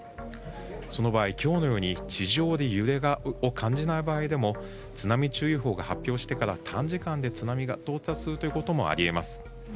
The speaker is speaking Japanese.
その場合、今日のように地上で揺れを感じない場合でも津波注意報が発表してから短時間で津波が到達することもあり得ます。